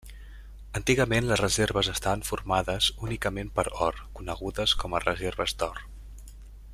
Antigament les reserves estaven formades únicament per or, conegudes com a reserves d'or.